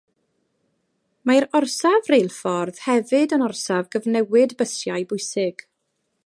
Mae'r orsaf reilffordd hefyd yn orsaf gyfnewid bysiau bwysig.